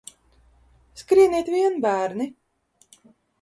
Skrieniet vien, bērni!